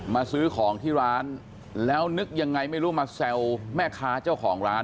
ซื้อของที่ร้านแล้วนึกยังไงไม่รู้มาแซวแม่ค้าเจ้าของร้าน